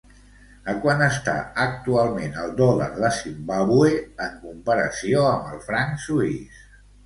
A quant està actualment el dòlar de Zimbàbue en comparació amb el franc suís?